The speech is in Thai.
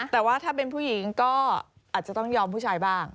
แต่ว่าถ้าเป็นผู้หญิงก็อาจจะต้องยอมผู้ชายบ้าง